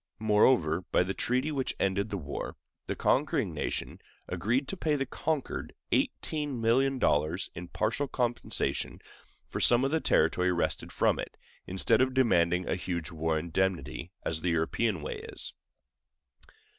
Moreover, by the treaty which ended the war, the conquering nation agreed to pay the conquered eighteen million dollars in partial compensation for some of the territory wrested from it, instead of demanding a huge war indemnity, as the European way is.